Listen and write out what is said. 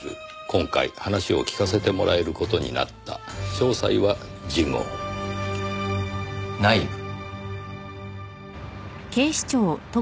「今回話を聞かせてもらえる事になった」「詳細は次号」内部。